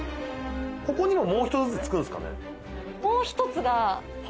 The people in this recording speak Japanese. ここにももう１つ付くんですかね？